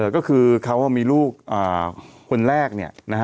ก็คือเขามีลูกคนแรกเนี่ยนะฮะ